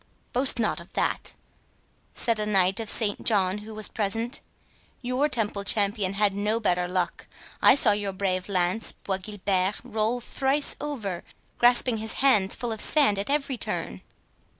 "Boast not of that," said a Knight of St John, who was present; "your Temple champion had no better luck. I saw your brave lance, Bois Guilbert, roll thrice over, grasping his hands full of sand at every turn."